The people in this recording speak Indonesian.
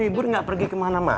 kamu libur ngaperdikemana mana